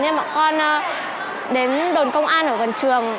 nên bọn con đến đồn công an ở gần trường